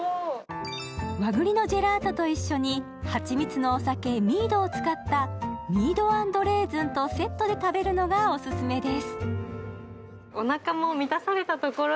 和ぐりのジェラートと一緒に、蜂蜜のお酒、ミードを使ったミード＆レーズンとセットで食べるのがオススメです。